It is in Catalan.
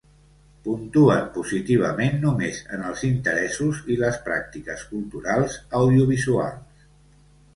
Puntuen positivament només en els interessos i les pràctiques culturals audiovisuals.